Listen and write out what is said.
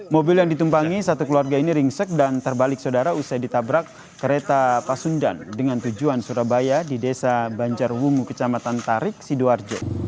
mobil yang ditumpangi satu keluarga ini ringsek dan terbalik saudara usai ditabrak kereta pasundan dengan tujuan surabaya di desa banjarwungu kecamatan tarik sidoarjo